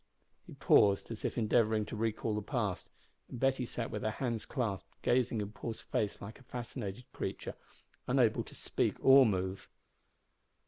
He paused, as if endeavouring to recall the past, and Betty sat with her hands clasped, gazing in Paul's face like a fascinated creature, unable to speak or move.